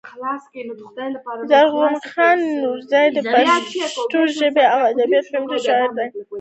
زرغون خان نورزى د پښتو ژبـي او ادب پياوړی شاعر دﺉ.